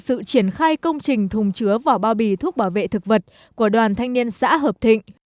trước sự triển khai công trình thùng chứa vỏ bao bì thuốc bảo vệ thực vật của đoàn thanh niên xã hợp thịnh